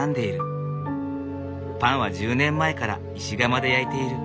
パンは１０年前から石窯で焼いている。